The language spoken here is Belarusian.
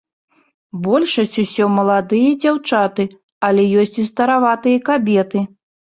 Большасць усё маладыя дзяўчаты, але ёсць і стараватыя кабеты.